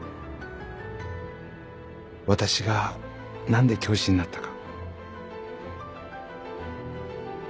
私が何で教師になったか。